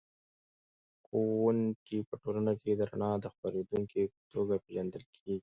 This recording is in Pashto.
ښوونکی په ټولنه کې د رڼا د خپروونکي په توګه پېژندل کېږي.